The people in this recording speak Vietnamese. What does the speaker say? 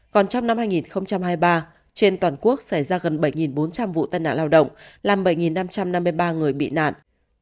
còn trong năm hai nghìn hai mươi ba trên toàn quốc xảy ra gần bảy bốn trăm linh vụ tai nạn lao động làm bảy năm trăm năm mươi ba người bị nạn